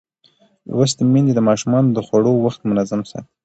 لوستې میندې د ماشومانو د خوړو وخت منظم ساتي.